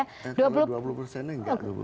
kalau dua puluh persennya enggak